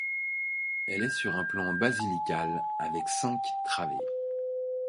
Elle est sur un plan basilical avec cinq travées.